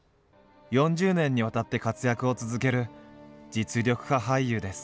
４０年にわたって活躍を続ける実力派俳優です。